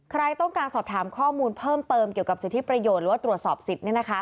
ใครต้องการสอบถามข้อมูลเพิ่มเติมเกี่ยวกับสิทธิประโยชน์หรือว่าตรวจสอบสิทธิ์